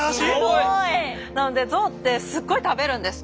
なのでゾウってすごい食べるんです。